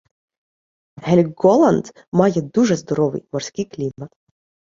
Гельґоланд має дуже здоровий морський клімат.